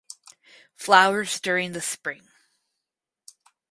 Flowers during the spring.